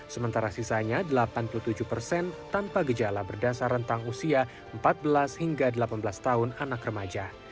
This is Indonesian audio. sementara sisanya delapan puluh tujuh persen tanpa gejala berdasar rentang usia empat belas hingga delapan belas tahun anak remaja